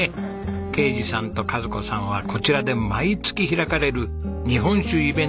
啓二さんと賀津子さんはこちらで毎月開かれる日本酒イベントの常連さんです。